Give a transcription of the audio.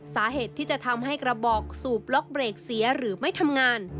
สาเหตุที่จะทำให้กระบอกสูบล็อกเบรกเสียหรือไม่ทำงาน